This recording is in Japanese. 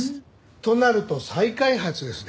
となると再開発ですね。